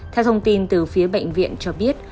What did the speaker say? theo thông tin từ phía bệnh viện cho biết